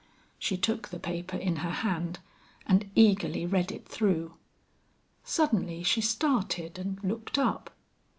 She took the paper in her hand, and eagerly read it through. Suddenly she started and looked up.